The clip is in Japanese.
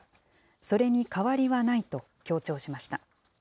それに変わりはないと強調しました。